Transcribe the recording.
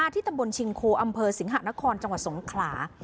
ที่ตำบลชิงโคอำเภอสิงหะนครจังหวัดสงขลา